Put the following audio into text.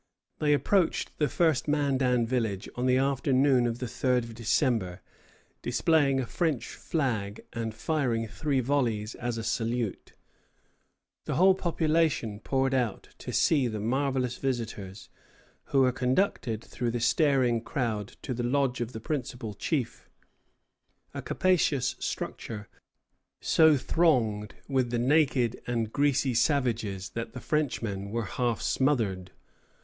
They approached the first Mandan village on the afternoon of the 3d of December, displaying a French flag and firing three volleys as a salute. The whole population poured out to see the marvellous visitors, who were conducted through the staring crowd to the lodge of the principal chief, a capacious structure so thronged with the naked and greasy savages that the Frenchmen were half smothered.